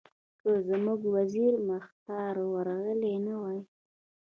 که زموږ وزیر مختار ورغلی نه وای.